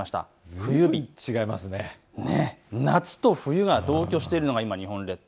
冬日、夏と冬が同居しているのが日本列島。